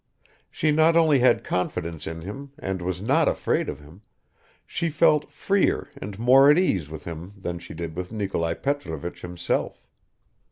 She not only had confidence in him and was not afraid of him, she felt freer and more at ease with him than she did with Nikolai Petrovich himself.